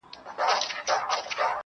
له څه مودې ترخ يم خـــوابــــدې هغه.